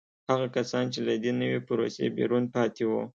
هغه کسان چې له دې نوې پروسې بیرون پاتې وو